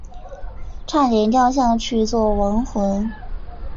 差点掉下去做亡魂